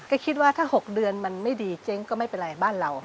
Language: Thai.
ก็คิดว่าถ้า๖เดือนมันไม่ดีเจ๊งก็ไม่เป็นไรบ้านเรา